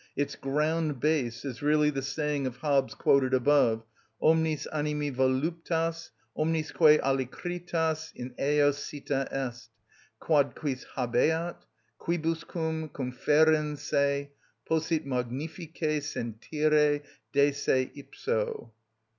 Its ground bass is really the saying of Hobbes quoted above: _Omnis animi voluptas, omnisque alacritas in eo sita est, quad quis habeat, quibuscum conferens se, possit magnifice sentire de se ipso.